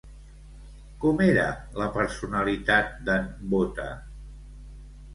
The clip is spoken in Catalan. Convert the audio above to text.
Com era la personalitat d'en Bóta?